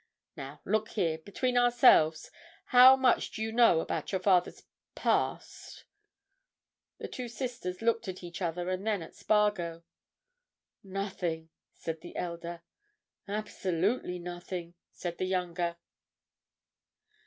Now, look here, between ourselves, how much do you know about your father's—past?" The two sisters looked at each other and then at Spargo. "Nothing," said the elder. "Absolutely nothing!" said the younger.